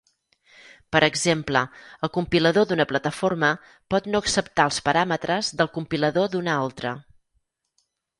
Per exemple, el compilador d'una plataforma pot no acceptar els paràmetres del compilador d'una altra.